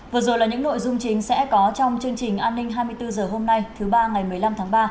vừa rồi là những nội dung chính sẽ có trong chương trình an ninh hai mươi bốn h hôm nay thứ ba ngày một mươi năm tháng ba